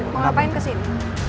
mau ngapain kesini